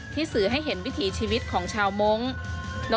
สื่อให้เห็นวิถีชีวิตของชาวมงค์